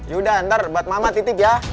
ya udah ntar buat mama titip ya